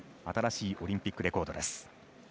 ３２新しいオリンピックレコードです。